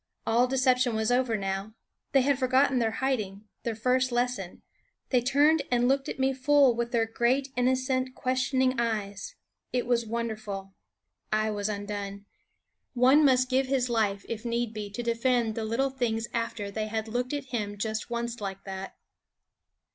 All deception was over now. They had forgotten their hiding, their first lesson; they turned and looked at me full with their great, innocent, questioning eyes. It was wonderful; I was undone. One must give his life, if need be, to defend the little things after they had looked at him just once like that.